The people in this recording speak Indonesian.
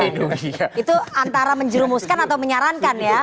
itu antara menjerumuskan atau menyarankan ya